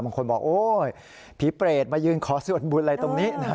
บางคนบอกโอ๊ยผีเปรตมายืนขอส่วนบุญอะไรตรงนี้นะ